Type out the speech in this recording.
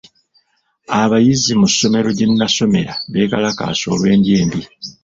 Abayizi mu ssomero gye nasomera beekalakaasa olw'endya embi.